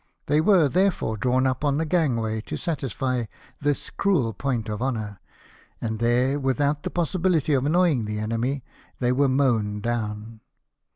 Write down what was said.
They were, therefore, drawn up on the gangway, to satisfy this cruel point of honour ; and there, without the possibility of annoying the enemy, they were mown down